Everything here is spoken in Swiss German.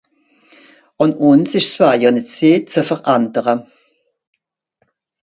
Àn ùns ìsch ’s wajer nìtt se ze verändere.